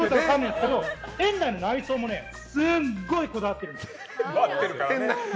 けど店内の内装もすごいこだわっているんです。